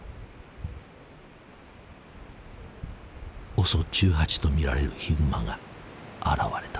ＯＳＯ１８と見られるヒグマが現れた。